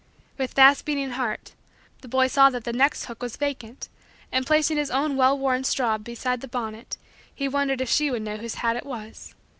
With fast beating heart, the boy saw that the next hook was vacant and placing his own well worn straw beside the bonnet he wondered if she would know whose hat it was.